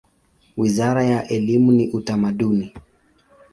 Wizara ya elimu na Utamaduni.